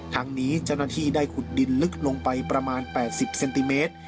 ทางนี้เจ้าหน้าที่ได้ขุดดินลึกลงไปประมาณ๘๐เซนติเมตร